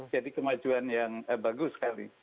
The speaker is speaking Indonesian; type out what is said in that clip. jadi kemajuan yang bagus sekali